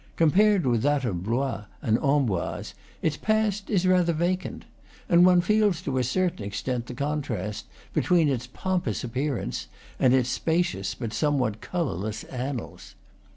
Compared with that of Blois and Amboise, its past is rather vacant; and one feels to a certain extent the contrast between its pompous appearance and its spacious but some what colorless annals.